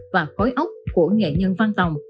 và khối ốc của nghệ nhân văn tòng